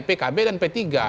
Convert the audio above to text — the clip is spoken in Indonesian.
pkb dan p tiga